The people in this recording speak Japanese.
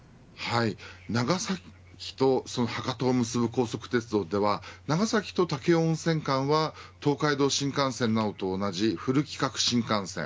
長崎と博多を結ぶ高速鉄道では長崎と武雄温泉間は東海道新幹線などと同じフル規格新幹線。